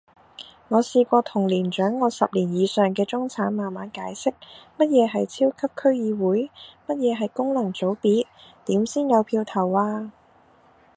我試過同年長我十年以上嘅中產慢慢解釋，乜嘢係超級區議會？乜嘢係功能組別？點先有票投啊？